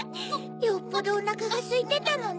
よっぽどおなかがすいてたのね。